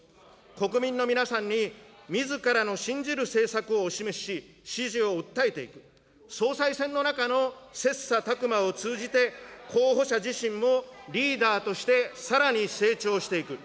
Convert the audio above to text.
国民の皆さんにみずからの信じる政策をお示しし、支持を訴えていく、総裁選の中の切さたく磨を通じて、候補者自身もリーダーとして、さらに成長していく。